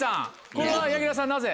これは柳楽さんなぜ？